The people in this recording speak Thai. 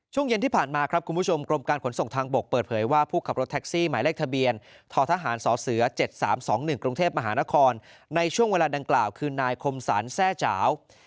ช่วงเย็นที่ผ่านมาครับคุณผู้ชมกรมการขนส่งทางบกเปิดเผยว่าผู้ขับรถแท็กซี่หมายเลขทะเบียนททหารสเส๗๓๒๑กรุงเทพมหานครในช่วงเวลาดังกล่าวคือนายคมสรรแทร่เจ้า